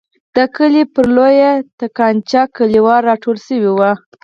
د کلي پر لویه تنګاچه کلیوال را ټول شوي وو.